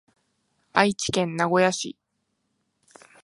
愛知県名古屋市